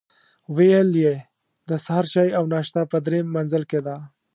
ویل یې د سهار چای او ناشته په درېیم منزل کې ده.